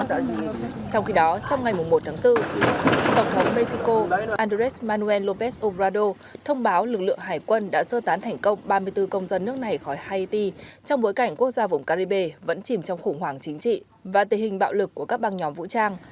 trong khi đó trong ngày một tháng bốn tổng thống mexico andres manuel lópez obrador thông báo lực lượng hải quân đã sơ tán thành công ba mươi bốn công dân nước này khỏi haiti trong bối cảnh quốc gia vùng caribe vẫn chìm trong khủng hoảng chính trị và tình hình bạo lực của các băng nhóm vũ trang